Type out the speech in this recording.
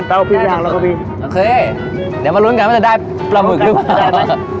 ต้องพิมพ์ให้หาเราก็มีโอเคเดี๋ยวมาลุ้นกันว่าจะได้ปลาหมึกหรือเปล่า